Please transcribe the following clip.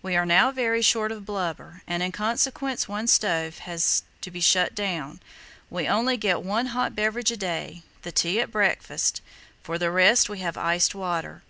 "We are now very short of blubber, and in consequence one stove has to be shut down. We only get one hot beverage a day, the tea at breakfast. For the rest we have iced water.